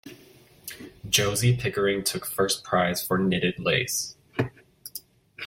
Josie Pickering took first prize for knitted lace.